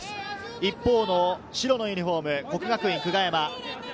一方の白のユニホーム、國學院久我山。